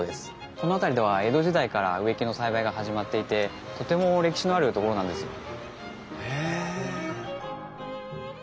この辺りでは江戸時代から植木の栽培が始まっていてとても歴史のある所なんですよ。へえ。